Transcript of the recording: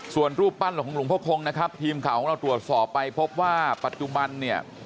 ส่วนรูปปั้นของหลวงพ่อคงนะครับทีมข่าวของเราตรวจสอบไปพบว่าปัจจุบันเนี่ย